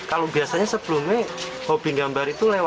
alatnya bus diri